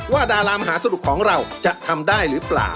ดารามหาสนุกของเราจะทำได้หรือเปล่า